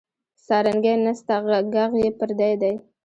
سارنګۍ نسته ږغ یې پردی دی